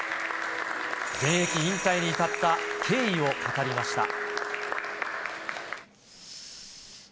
現役引退に至った経緯を語りました。